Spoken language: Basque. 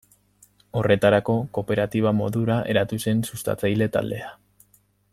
Horretarako, Kooperatiba modura eratu zen sustatzaile taldea.